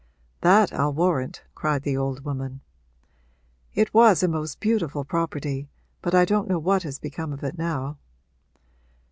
'That I'll warrant!' cried the old woman. 'It was a most beautiful property, but I don't know what has become of it now.